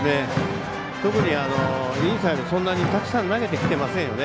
特にインサイドそんなにたくさん投げてきていませんよね